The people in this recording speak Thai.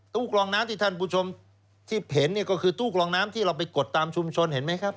กรองน้ำที่ท่านผู้ชมที่เห็นเนี่ยก็คือตู้กรองน้ำที่เราไปกดตามชุมชนเห็นไหมครับ